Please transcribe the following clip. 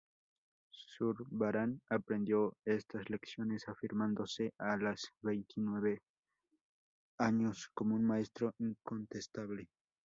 Zurbarán aprendió estas lecciones afirmándose, a los veintinueve años, como un maestro incontestable.